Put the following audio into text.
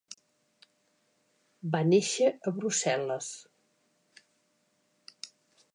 Va néixer a Brussel·les.